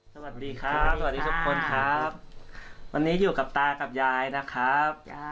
สวัสดีครับสวัสดีทุกคนครับวันนี้อยู่กับตากับยายนะครับ